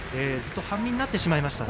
半身になってしまいましたね。